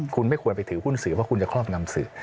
คุณไม่ควรไปถือหุ้นสื่อเพราะคุณจะครอบงำสื่อ